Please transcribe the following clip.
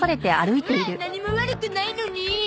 オラ何も悪くないのに。